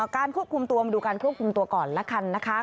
การควบคุมตัวมาดูการควบคุมตัวก่อนละกันนะคะ